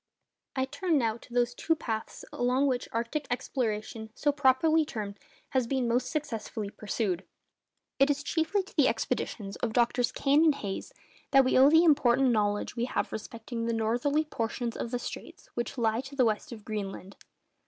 I turn now to those two paths along which arctic exploration, properly so termed, has been most successfully pursued. It is chiefly to the expeditions of Drs. Kane and Hayes that we owe the important knowledge we have respecting the northerly portions of the straits which lie to the west of Greenland.